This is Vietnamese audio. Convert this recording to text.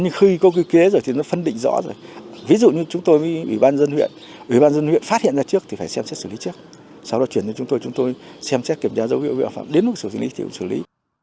nhưng khi có quy chế rồi thì nó phân định rõ rồi ví dụ như chúng tôi với ủy ban dân huyện ủy ban dân huyện phát hiện ra trước thì phải xem xét xử lý trước sau đó chuyển cho chúng tôi chúng tôi xem xét kiểm tra dấu hiệu vi phạm đến mức xử lý thì cũng xử lý